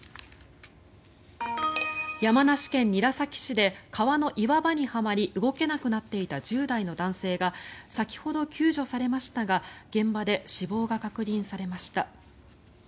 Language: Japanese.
山梨県韮崎市で川の岩場にはまり動けなくなっていた１０代の男性が先ほど救助されましたが現場で死亡が確認されました。